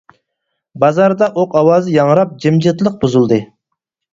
بازاردا ئوق ئاۋازى ياڭراپ، جىمجىتلىق بۇزۇلدى.